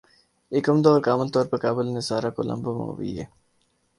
ایک عمدہ اور کامل طور پر قابل نظارہ کولمبو مووی ہے